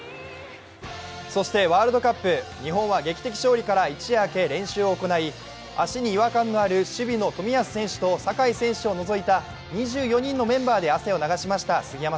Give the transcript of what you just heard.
そしてワールドカップ日本は劇的勝利から一夜明け、練習を行い、足に違和感のある守備の冨安選手と酒井選手を除いた２４人のメンバーで汗を流しました。